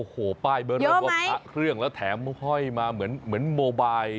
โอ้โหป้ายเบอร์เริ่มว่าพระเครื่องแล้วแถมห้อยมาเหมือนโมบาย